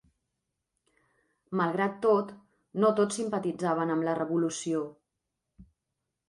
Malgrat tot, no tots simpatitzaven amb la Revolució.